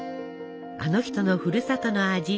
あの人のふるさとの味